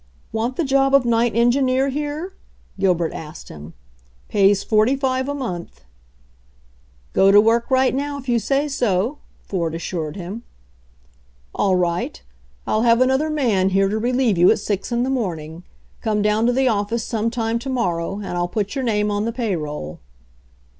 "Want the job of night engineer here?" Gil bert asked him. "Pays forty five a month." "Go to work right now if you say so," Ford assured him. "All right. I'll have another man here to re lieve you at six in the morning. Come down to the office some time to morrow and I'll put your name on the payroll."